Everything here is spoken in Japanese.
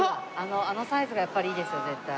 あのサイズがやっぱりいいですよ絶対。